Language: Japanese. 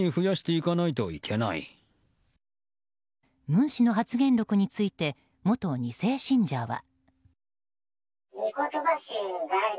文氏の発言録について元２世信者は。